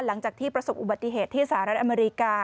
หลังจากที่ประสบอุบัติเหตุที่สหรัฐอเมริกา